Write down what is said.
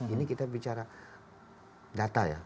ini kita bicara data ya